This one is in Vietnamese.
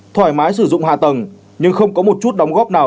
thoải mái sử dụng hạ tầng nhưng không có một chút đóng góp nào